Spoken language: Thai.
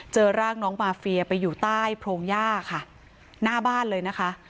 เจอร่างน้องมาเฟียไปอยู่ใต้โพรงย่าค่ะหน้าบ้านเลยนะคะ